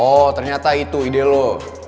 oh ternyata itu ide loh